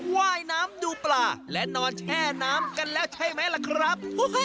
ว่ายน้ำดูปลาและนอนแช่น้ำกันแล้วใช่ไหมล่ะครับ